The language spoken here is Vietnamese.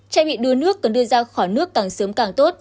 trẻ bị đua nước cần đưa ra khỏi nước càng sớm càng tốt